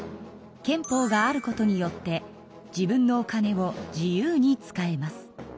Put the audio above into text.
憲法があることによって自分のお金を自由に使えます。